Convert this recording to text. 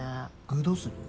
具どうする？